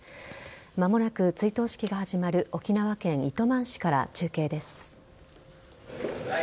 間もなく追悼式が始まる沖縄県糸満市から中継です。